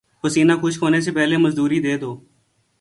پسینہ خشک ہونے سے پہلے مزدوری دے دو